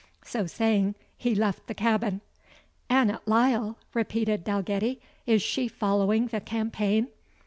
So saying, he left the cabin. "Annot Lyle!" repeated Dalgetty, "is she following the campaign?"